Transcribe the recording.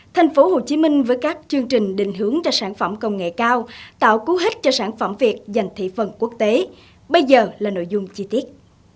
thành phố hồ chí minh với các chương trình định hướng cho sản phẩm công nghệ cao tạo cú hích cho sản phẩm việt dành thị phần quốc tế bây giờ là nội dung chi tiết